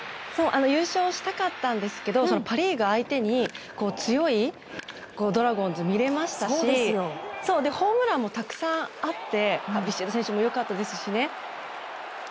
優勝したかったんですけどパ・リーグ相手に強いドラゴンズが見れましたしホームランもたくさんあってビシエド選手も良かったですしね。